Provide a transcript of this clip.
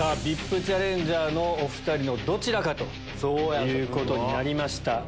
ＶＩＰチャレンジャーのお２人のどちらかということになりました。